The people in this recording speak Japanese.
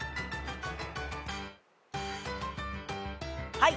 はい。